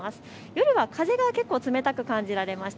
夜は風が結構、冷たく感じられました。